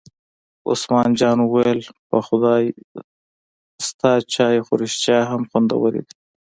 عثمان جان وویل: په خدای ستا چای خو رښتیا هم خوندور دی.